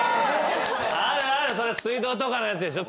あるある水道とかのやつでしょ？